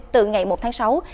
từ ngày một tháng sáu